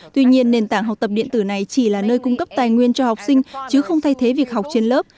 tuy nhiên nền tảng học tập điện tử này chỉ là nơi cung cấp tài nguyên cho học sinh chứ không thay thế việc học trên lớp